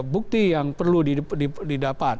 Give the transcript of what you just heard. bukti yang perlu didapat